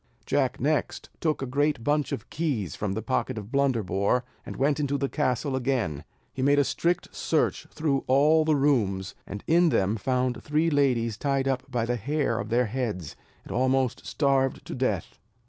Jack next took a great bunch of keys from the pocket of Blunderbore, and went into the castle again. He made a strict search through all the rooms; and in them found three ladies tied up by the hair of their heads, and almost starved to death.